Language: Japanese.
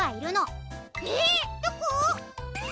えっどこ？